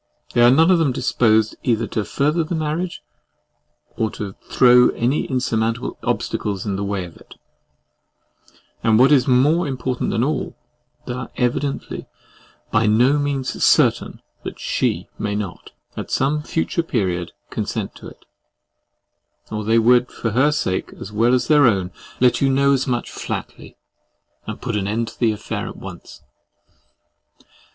They are none of them disposed either to further the marriage, or throw any insurmountable obstacles in the way of it; and what is more important than all, they are evidently by no means CERTAIN that SHE may not, at some future period, consent to it; or they would, for her sake as well as their own, let you know as much flatly, and put an end to the affair at once.